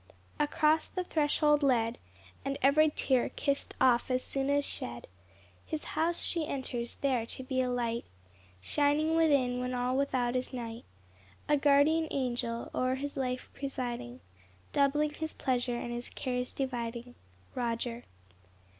"Across the threshold led, And every tear kiss'd off as soon as shed, His house she enters, there to be a light Shining within, when all without is night; A guardian angel, o'er his life presiding, Doubling his pleasure, and his cares dividing." _Roger.